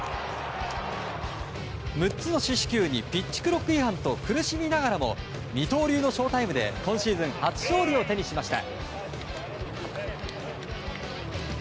６つの四死球にピッチクロック違反と苦しみながらも二刀流のショウタイムで今シーズン初勝利を手にしました。